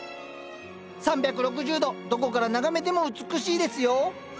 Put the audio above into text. ３６０度どこから眺めても美しいですよ。